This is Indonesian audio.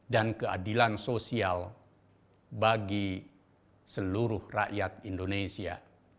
dan keadilan sosial bagi seluruh rakyat indonesia